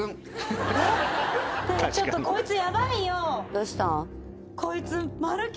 どうした？